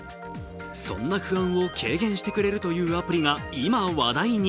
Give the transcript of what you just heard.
そんな不安を軽減してくれるというアプリが今話題に。